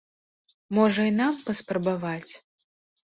Можа і нам паспрабаваць?